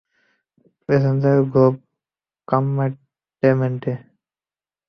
Passenger glove কম্পার্টমেন্টে।